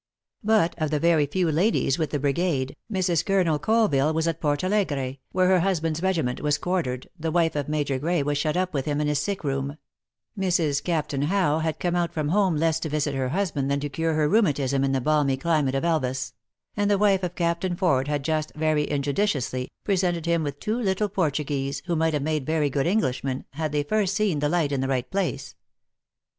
But, of the very few 26 THE ACTRESS IN HIGH LIFE. ladies with the brigade, Mrs. Colonel Coiville was at Portalegre, where her husband s regiment was quar tered, the wife of Major Grey was shut up with him in his sick room ; Mrs. Captain Howe had come out from home less to visit her husband than to cure her rheumatism in the balmy climate of Elvas; and the wife of Captain Ford had just, very injudiciously, presented him with two little Portuguese, who might have made very good Englishmen, had they h rst seen the light in the right place.